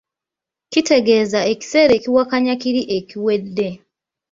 kitegeeza ekiseera ekiwakanya kiri ekiwedde.